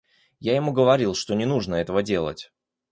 Я ему говорил, что не нужно этого делать!